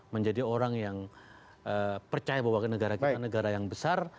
menjadi orang yang percaya bahwa negara kita negara yang besar